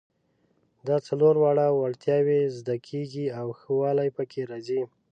دا څلور واړه وړتیاوې زده کیږي او ښه والی پکې راځي.